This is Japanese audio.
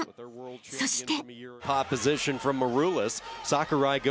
［そして］